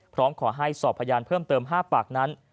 พร้อมขอให้สอบพยานเพิ่มเติม๕ปากนั้น